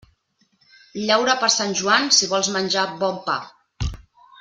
Llaura per Sant Joan si vols menjar bon pa.